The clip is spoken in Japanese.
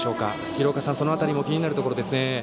廣岡さん、その辺りも気になるところですね。